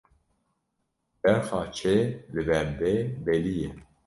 Berxa çê li ber dê belî ye